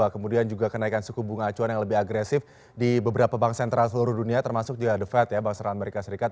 kemudian juga kenaikan suku bunga acuan yang lebih agresif di beberapa bank sentral seluruh dunia termasuk juga the fed ya bank sentral amerika serikat